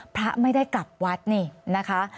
พระไม่ได้กลับวัดนี่นะคะ